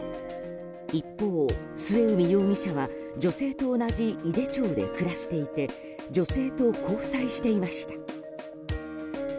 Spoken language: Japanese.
一方、末海容疑者は女性と同じ井手町で暮らしていて女性と交際していました。